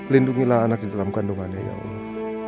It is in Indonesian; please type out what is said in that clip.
lindungilah anak di dalam kandungannya ya allah